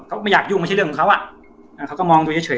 เขาไม่อยากยุ่งไม่ใช่เรื่องของเขาอ่ะอ่าเขาก็มองดูเฉย